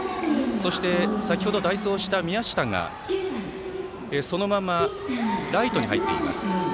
そして、先ほど代走した宮下がそのままライトに入っています。